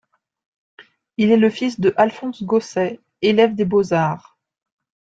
Il est le fils de Alphonse Gosset, élève des Beaux-arts.